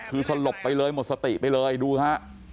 คือสลบไปเลยหมดสติไปเลยดูฮะ